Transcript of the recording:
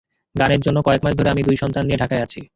গানের জন্য কয়েক মাস ধরে আমি দুই সন্তান নিয়ে ঢাকায় আছি।